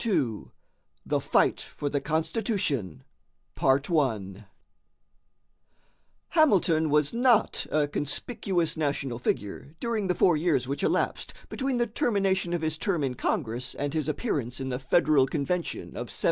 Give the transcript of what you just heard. II THE FIGHT FOR THE CONSTITUTION Hamilton was not a conspicuous national figure during the four years which elapsed between the termination of his term in Congress and his appearance in the Federal Convention of 1787.